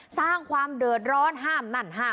สร้างความเดิดร้อนห้าม